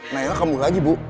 nailah kamu lagi bu